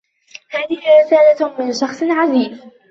هذه رسالة من شخص عزيز.